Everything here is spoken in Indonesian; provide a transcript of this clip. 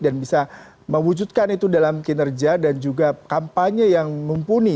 dan bisa mewujudkan itu dalam kinerja dan juga kampanye yang mumpuni